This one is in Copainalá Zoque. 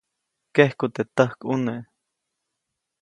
Kejku teʼ täjkʼune.